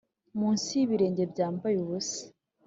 munsi y'ibirenge byambaye ubusa,